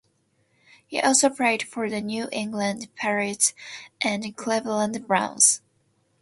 He also played for the New England Patriots and Cleveland Browns.